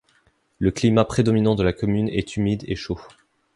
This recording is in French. Le climat prédominant de la commune est humide et chaud.